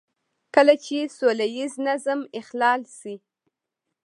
کله چې سوله ييز نظم اخلال شي.